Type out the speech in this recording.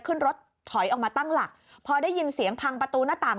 ขึ้นรถถอยออกมาตั้งหลักพอได้ยินเสียงพังประตูหน้าต่าง